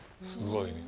すごい。